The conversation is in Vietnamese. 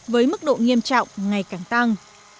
với mức độ nghiêm trọng ngày càng tăng